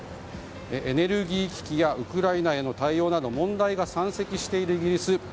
エネルギー危機やウクライナへの対応など問題が山積しているイギリス。